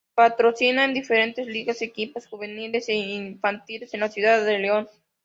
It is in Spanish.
Patrocina en diferentes ligas equipos juveniles e infantiles en la Ciudad de León.